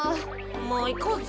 もういこうぜ。